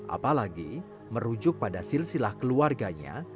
apalagi merujuk pada silsilah keluarganya